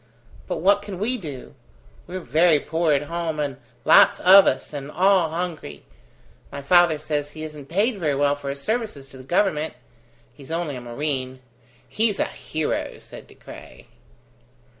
But what can we do? We're very poor at home, and lots of us, and all hungry. My father says he isn't paid very well for his services to the Government. He's only a marine." "He's a hero!" said De Craye.